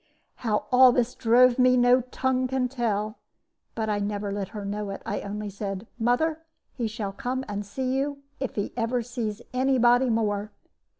"How all this drove me no tongue can tell. But I never let her know it; I only said, 'Mother, he shall come and see you if he ever sees any body more!'